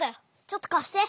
ちょっとかして！